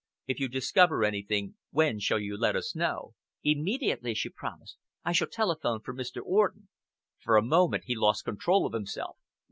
"If you discover anything, when shall you let us know?" "Immediately," she promised. "I shall telephone for Mr. Orden." For a moment he lost control of himself.